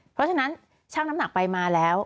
เพราะฉะนั้นช่างน้ำหนักไปมาแล้ว